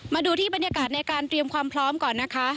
มาดูที่บรรยากาศในการเตรียมความพร้อมก่อนนะคะ